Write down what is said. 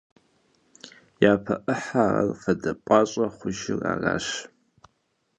Япэ ӏыхьэр, ар «фадэ пӀащӀэ» хъужыр аращ.